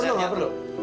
gak perlu gak perlu